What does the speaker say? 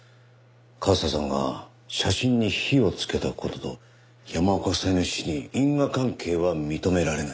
和沙さんが写真に火をつけた事と山岡夫妻の死に因果関係は認められない。